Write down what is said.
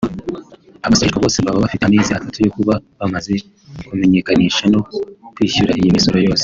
Abasoreshwa bose baba bafite amezi atatu yo kuba bamaze kumenyekanisha no kwishyura iyi misoro yose